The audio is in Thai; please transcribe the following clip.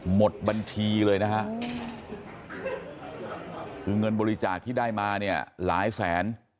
หมดบัญชีเลยนะฮะคือเงินบริจาคที่ได้มาเนี่ยหลายแสน